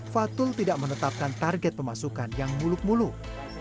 fatul tidak menetapkan target pemasukan yang muluk muluk